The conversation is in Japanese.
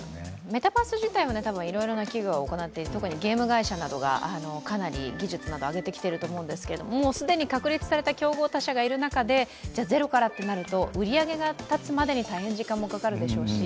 メタバース自体はいろいろな企業が行って特にゲーム会社などがかなり技術など上げてきていると思うんですけど、既に確立された競合他社がいる中でゼロからとなると、売り上げが立つまでに大変時間がかかるでしょうし